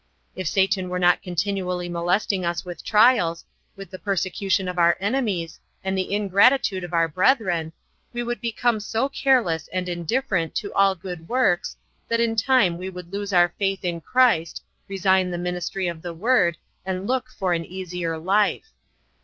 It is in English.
If Satan were not continually molesting us with trials, with the persecution of our enemies, and the ingratitude of our brethren, we would become so careless and indifferent to all good works that in time we would lose our faith in Christ, resign the ministry of the Word, and look for an easier life.